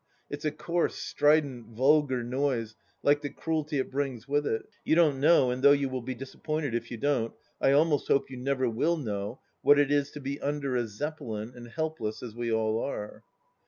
It's a coarse, strident, vulgar noise, like the cruelty it brings with it. ... You don't know, and though you will be disappointed if you don't, I almost hope you never will know, what it is to be under a Zeppelin and helpless as we all are.